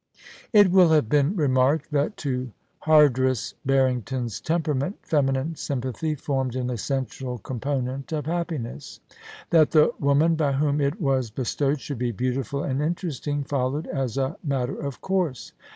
♦♦#♦♦ It will have been remarked that to Hardress Barrington's temperament feminine sympathy formed an essential com ponent of happiness. That the woman by whom it was bestowed should be beautiful and interesting followed as a matter of course.